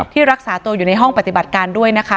รักษาตัวอยู่ในห้องปฏิบัติการด้วยนะคะ